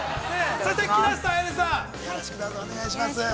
◆そして木下彩音さん、よろしくお願いします。